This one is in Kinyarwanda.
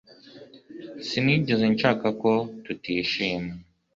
Sinigeze nshaka ko tutishima